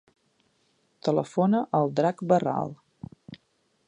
Telefona al Drac Berral.